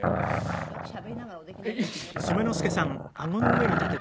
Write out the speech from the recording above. よくしゃべりながらおできになりますね。